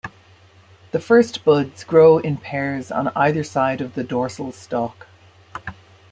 The first buds grow in pairs on either side of the dorsal stalk.